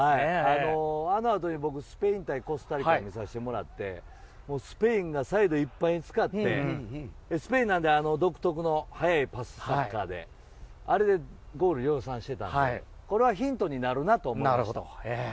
あのあとに僕スペイン対コスタリカを見させてもらったら、スペインがサイドいっぱいに使ってスペイン独特の速いパスサッカーでゴール量産してたのでこれはヒントになるなと思ってました。